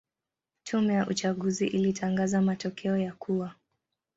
Tume ya uchaguzi ilitangaza matokeo ya kuwa